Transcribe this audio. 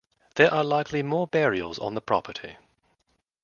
There are likely more burials on the property.